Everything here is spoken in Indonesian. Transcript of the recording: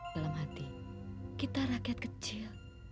dalam hati kita rakyat kecil